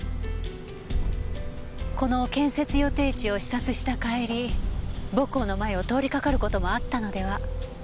この建設予定地を視察した帰り母校の前を通りかかる事もあったのでは？